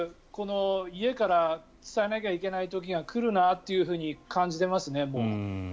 家から伝えなきゃいけない時が来るなっていうふうに感じていますね、もう。